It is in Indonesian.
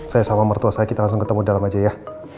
saya sama mertua saya kita langsung ketemu dalam aja ya